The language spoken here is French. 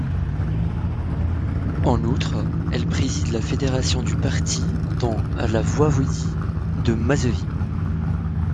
En outre, elle préside la fédération du parti dans la voïvodie de Mazovie.